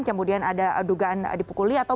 kemudian ada dugaan dipukuli atau